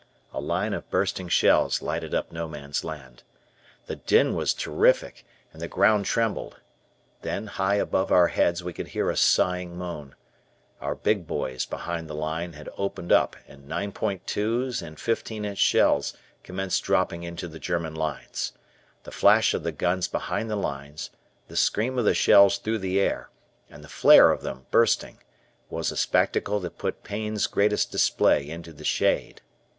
A line of bursting shells lighted up No Man's Land. The din was terrific and the ground trembled. Then, high above our heads we could hear a sighing moan. Our big boys behind the line had opened up and 9.2's and 15 inch shells commenced dropping into the German lines. The flash of the guns behind the lines, the scream of the shells through the air, and the flare of them, bursting, was a spectacle that put Pain's greatest display into the shade.